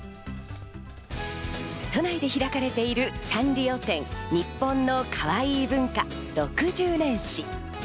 都内で開かれているサンリオ展、ニッポンのカワイイ文化６０年史。